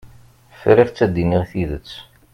Friɣ-tt ad d-iniɣ tidet.